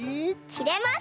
きれます！